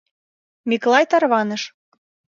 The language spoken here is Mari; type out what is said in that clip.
Миклай тарваныш.